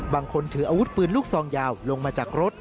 บางคนถืออาวุธปืนลูกซองยาวลงมาจากรถ